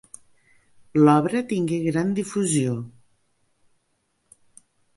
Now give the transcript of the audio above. L'obra tingué gran difusió.